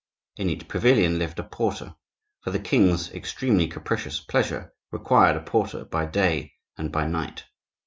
In each pavilion lived a porter; for the king's extremely capricious pleasure required a porter by day and by night.